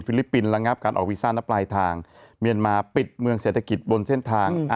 ลิปปินส์ระงับการออกวีซ่านะปลายทางเมียนมาปิดเมืองเศรษฐกิจบนเส้นทาง